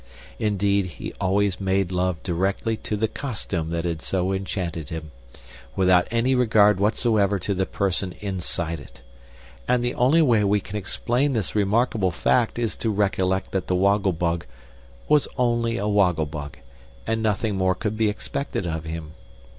Indeed, he always made love directly to the costume that had so enchanted him, without any regard whatsoever to the person inside it; and the only way we can explain this remarkable fact is to recollect that the Woggle Bug was only a woggle bug, and nothing more could be expected of him.